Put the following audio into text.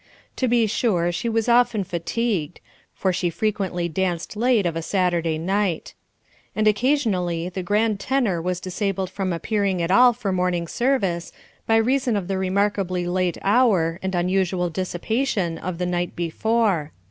To be sure she was often fatigued, for she frequently danced late of a Saturday night. And occasionally the grand tenor was disabled from appearing at all for morning service by reason of the remarkably late hour and unusual dissipation of the night before.